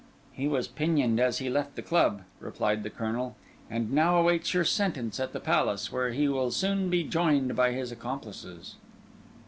"He was pinioned as he left the club," replied the Colonel, "and now awaits your sentence at the Palace, where he will soon be joined by his accomplices."